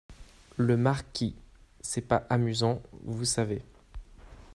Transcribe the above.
Le Marquis - C’est pas amusant, vous savez.